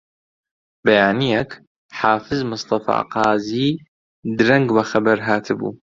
بەیانییەک حافز مستەفا قازی درەنگ وە خەبەر هاتبوو